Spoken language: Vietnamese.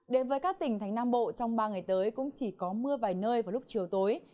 đến với các tỉnh thành nam bộ trong ba ngày tới cũng chỉ có mưa vài nơi vào lúc chiều tối